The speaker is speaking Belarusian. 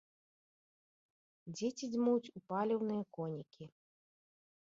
Дзеці дзьмуць у паліўныя конікі.